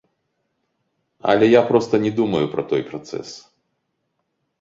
Але я проста не думаю пра той працэс.